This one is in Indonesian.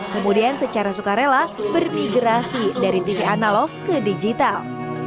kemudian secara sukarela bermigrasi dari tv analog ke digital